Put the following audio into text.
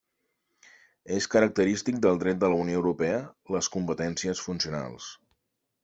És característic del dret de la Unió Europea les competències funcionals.